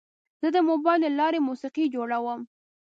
زه د موبایل له لارې موسیقي جوړوم.